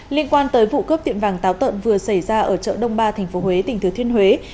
liên quan tới vụ cướp tiệm vàng táo tợn vừa xảy ra ở chợ đông ba tp huế tỉnh thừa thiên huế